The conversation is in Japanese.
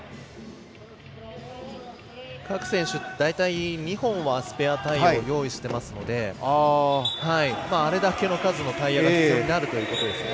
各選手、大体２本はスペアタイヤを用意してますのであれだけの数のタイヤが必要になりますね。